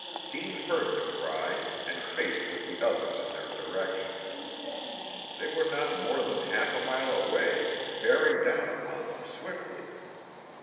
Deane heard the cry and faced with the others in their direction. They were not more than half a mile away, bearing down upon them swiftly.